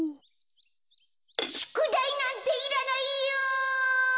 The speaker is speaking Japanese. しゅくだいなんていらないよ！